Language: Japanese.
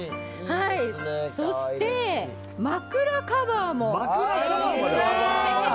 そして枕カバーも。